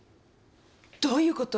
どういうこと？